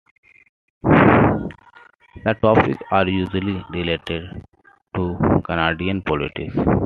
The topics are usually related to Canadian politics.